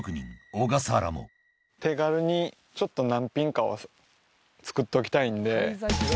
小笠原も手軽にちょっと何品かは作っておきたいんで。